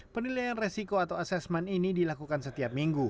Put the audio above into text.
penilaian resiko atau asesmen ini dilakukan setiap minggu